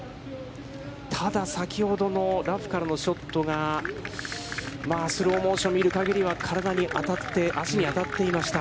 ただ、先ほどのラフからのショットがスローモーションを見る限りは、体に当たって、足に当たっていました。